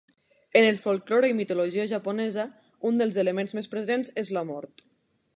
En el folklore i mitologia japonesa, un dels elements més presents és la mort.